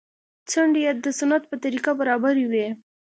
څنډې يې د سنت په طريقه برابرې وې.